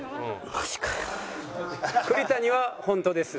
栗谷は本当です。